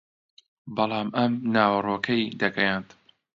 بەڵام ئەم ناوەڕۆکەی دەگەیاند